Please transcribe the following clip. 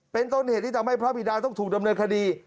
เป็นต้นเหตุที่ทำให้พระบิดาต้องถูกดำเนินคดี